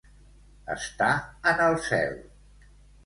Estar en el cel.